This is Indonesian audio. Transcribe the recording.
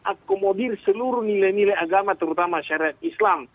dan akomodir seluruh nilai nilai agama terutama syariat islam